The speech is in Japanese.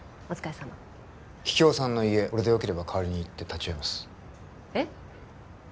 お疲れさま桔梗さんの家俺でよければ代わりに行って立ち会いますえっ！？